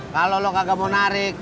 kalau lo kagak mau narik